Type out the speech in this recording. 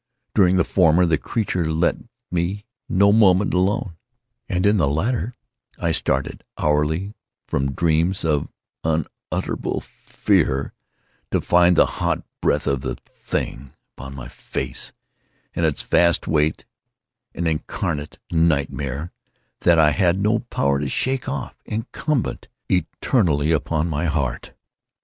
During the former the creature left me no moment alone, and in the latter I started hourly from dreams of unutterable fear to find the hot breath of the thing upon my face, and its vast weight—an incarnate nightmare that I had no power to shake off—incumbent eternally upon my _heart!